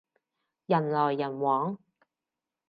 人來人往